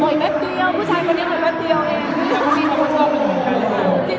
ปล่อยแบบเดียวผู้ชายคนนี้ปล่อยแบบเดียวเอง